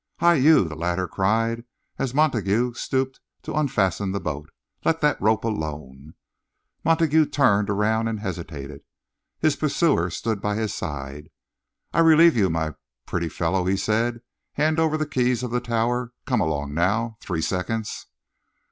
"Hi, you," the latter cried, as Montague stooped to unfasten the boat, "let that rope alone!" Montague turned around and hesitated. His pursuer stood by his side. "I'll relieve you, my pretty fellow," he said. "Hand over the key of the tower. Come along, now. Three seconds."